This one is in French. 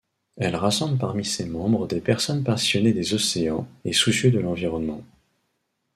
Elle rassemble parmi ses membres des personnes passionnées des océans et soucieux de l'environnement.